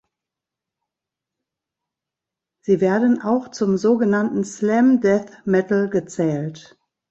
Sie werden auch zum sogenannten Slam Death Metal gezählt.